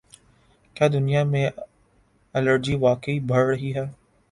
کیا دنیا میں الرجی واقعی بڑھ رہی ہے